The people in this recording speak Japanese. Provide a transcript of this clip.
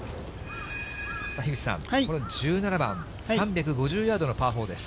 樋口さん、この１７番、３５０ヤードのパー４です。